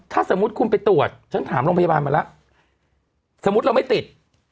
ถ้าสมมุติคุณไปตรวจฉันถามโรงพยาบาลมาแล้วสมมุติเราไม่ติด